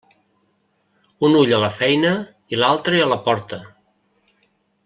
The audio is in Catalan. Un ull a la feina i l'altre a la porta.